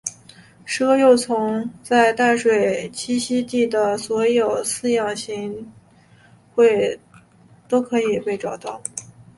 石蛾幼虫在淡水栖息地的所有饲养行会都可以被找到。